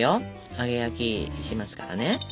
揚げ焼きしますからね。